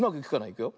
いくよ。